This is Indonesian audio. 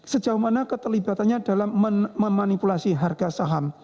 sejauh mana keterlibatannya dalam memanipulasi harga saham